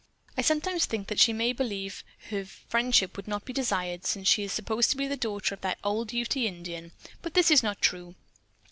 I sometimes think that she may believe her friendship would not be desired since she is supposed to be the daughter of that old Ute Indian, but this is not true.